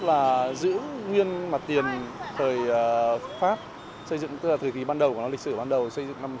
đó là giữ nguyên mặt tiền thời pháp tức là thời kỳ ban đầu của nó lịch sử ban đầu xây dựng năm một nghìn chín trăm linh hai